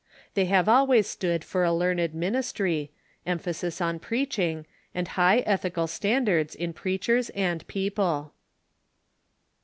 They have always stood for a learned ministry, emphasis on preaching, and high ethical standards in preachers and people.